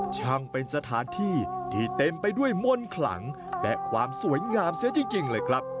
ช่างเป็นสถานที่ที่เต็มไปด้วยมนต์ขลังและความสวยงามเสียจริงเลยครับ